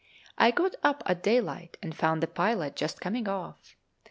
I got up at daylight and found the pilot just coming off.